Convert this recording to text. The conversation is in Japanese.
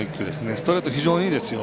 ストレート、非常にいいですよ。